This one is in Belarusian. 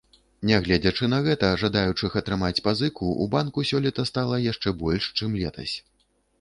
Нягледзячы на гэта, жадаючых атрымаць пазыку ў банку сёлета стала яшчэ больш, чым летась.